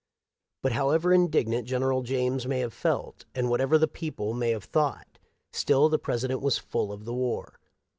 But, however indignant General James may have felt, and whatever the people may have thought, still the President was full of the war.